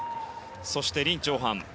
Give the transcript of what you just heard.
そして、リン・チョウハン。